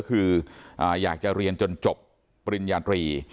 คืออยากจะเรียนจนจบปริญญาตรี